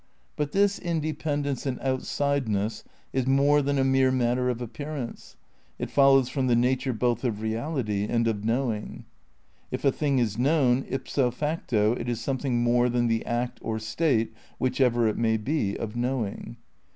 But this independence and outsideness is more than a mere matter of appearance ; it follows from the nature both of reality and of knowing. If a thing is known, ipso facto it is something more than the act, or state (which ever it may be) of knowing.